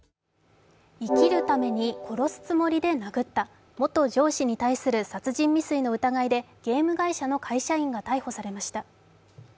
生きるために殺すつもりで殴った、元上司に対する殺人未遂の疑いでゲーム会社の会社員が逮捕されました。